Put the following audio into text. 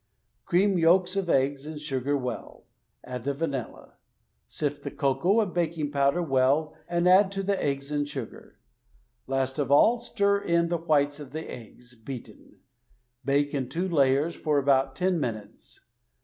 Cream yolks of eggs and sugar well; add the vanilla. Sift the cocoa and baking powder well, and add to the eggs and sugar. Last of all stir in the whites of the eggs, beaten. Bake in two layers, for about ten minutes.